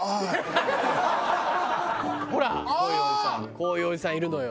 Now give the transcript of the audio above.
こういうおじさんいるのよ。